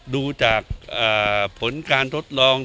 ดูจากผลการทดลอง